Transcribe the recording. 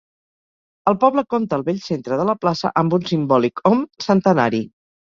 El poble compta al bell centre de la plaça amb un simbòlic om centenari.